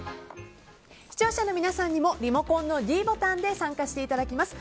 視聴者の皆さんにもリモコンのｄボタンで参加していただきます。